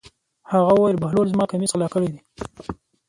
هغه وویل: بهلول زما کمیس غلا کړی دی.